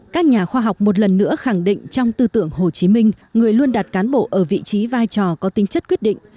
các nhà khoa học một lần nữa khẳng định trong tư tưởng hồ chí minh người luôn đặt cán bộ ở vị trí vai trò có tinh chất quyết định